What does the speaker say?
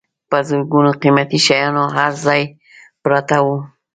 په زرګونو قیمتي شیان هر ځای پراته وو.